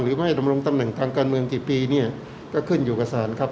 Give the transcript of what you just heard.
ไม่ให้ดำรงตำแหน่งทางการเมืองกี่ปีเนี่ยก็ขึ้นอยู่กับสารครับ